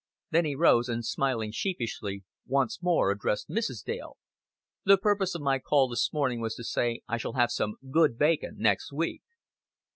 Then he rose, and smiling sheepishly, once more addressed Mrs. Dale. "The purpose of my call this morning was to say I shall have some good bacon next week."